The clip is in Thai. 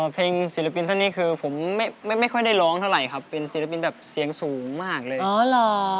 ศิลปินท่านนี้คือผมไม่ค่อยได้ร้องเท่าไหร่ครับเป็นศิลปินแบบเสียงสูงมากเลยอ๋อเหรอ